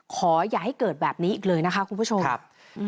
อย่าให้เกิดแบบนี้อีกเลยนะคะคุณผู้ชมครับ